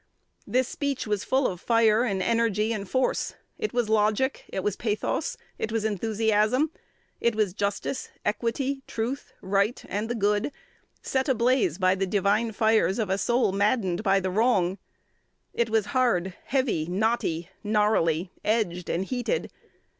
This speech was full of fire and energy and force: it was logic; it was pathos; it was enthusiasm; it was justice, equity, truth, right, and the good, set ablaze by the divine fires of a soul maddened by the wrong; it was hard, heavy, knotty, gnarly, edged, and heated.